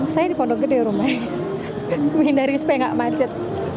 saya di pondok gede rumah menghindari supaya nggak macet